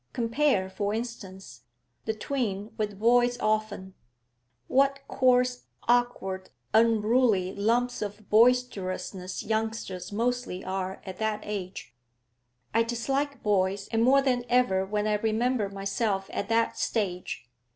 Compare, for instance, the twins with boys of ten. What coarse, awkward, unruly lumps of boisterousness youngsters mostly are at that age! I dislike boys, and more than ever when I remember myself at that stage.